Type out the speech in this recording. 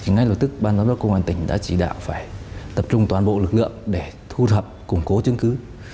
ngay lập tức ban giám đốc công an tỉnh đã chỉ đạo phải tập trung toàn bộ lực lượng để thu thập củng cố chứng cứ